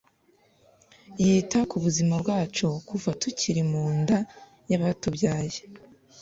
yita ku buzima bwacu kuva tukiri mu nda y’abatubyaye,